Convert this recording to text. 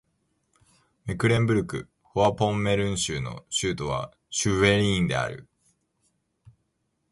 メクレンブルク＝フォアポンメルン州の州都はシュヴェリーンである